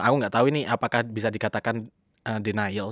aku gak tau ini apakah bisa dikatakan denial